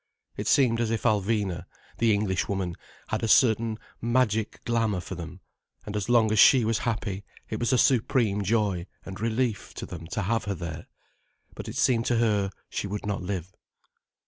It seemed as if Alvina, the Englishwoman, had a certain magic glamour for them, and so long as she was happy, it was a supreme joy and relief to them to have her there. But it seemed to her she would not live.